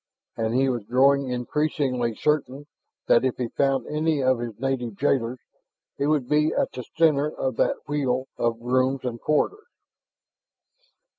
And he was growing increasingly certain that if he found any of his native jailers, it would be at the center of that wheel of rooms and corridors.